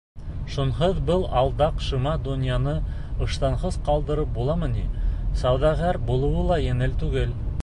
Шунһыҙ был алдаҡ шыма донъяны ыштанһыҙ ҡалдырып буламы ни, сауҙагәр булыуы ла еңел түгелдер.